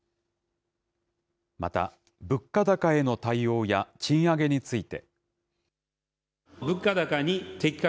また、物価高への対応や賃上げについて。